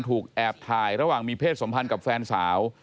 แอบถ่ายระหว่างมีเพศสัมพันธ์กับแฟนสาว